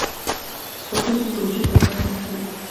پښتو زموږ د وجود تلپاتې نښه ده.